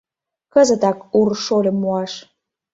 Кызытак Ур шольым муаш!